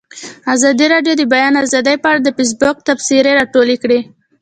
ازادي راډیو د د بیان آزادي په اړه د فیسبوک تبصرې راټولې کړي.